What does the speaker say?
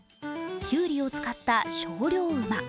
きゅうりを使った精霊馬。